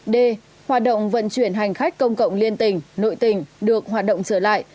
d hoạt động vận chuyển hành khách công cộng liên tình nội tình được hoạt động trở lại